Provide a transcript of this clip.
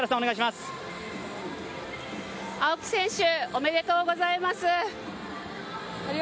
青木選手おめでとうございます。